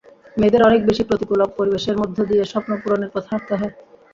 মেয়েদের অনেক বেশি প্রতিকূল পরিবেশের মধ্য দিয়ে স্বপ্ন পূরণের পথে হাঁটতে হয়।